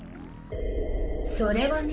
それはね。